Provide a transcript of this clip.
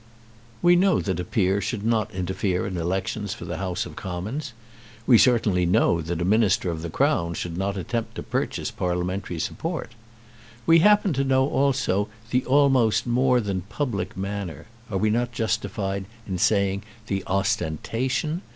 "We know that a peer should not interfere in elections for the House of Commons. We certainly know that a Minister of the Crown should not attempt to purchase parliamentary support. We happen to know also the almost more than public manner, are we not justified in saying the ostentation?